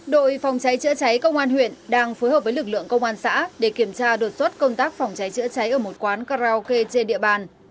đội phòng cháy chữa cháy công an huyện đang phối hợp với lực lượng công an xã để kiểm tra đột xuất công tác phòng cháy chữa cháy ở một quán karaoke trên địa bàn